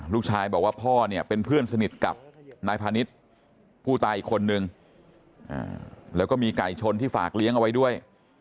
ลูกชายบอกว่าพ่อเนี่ยเป็นเพื่อนสนิทกับนายพาณิชย์ผู้ตายอีกคนนึงแล้วก็มีไก่ชนที่ฝากเลี้ยงเอาไว้ด้วย